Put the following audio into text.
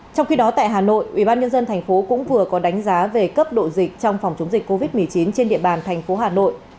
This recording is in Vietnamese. trong khi đó tại hà nội ubnd tp cũng vừa có đánh giá về cấp độ dịch trong phòng chống dịch covid một mươi chín trên địa bàn thành phố hà nội